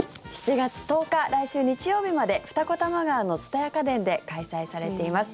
７月１０日、来週日曜日まで二子玉川の蔦屋家電で開催されています。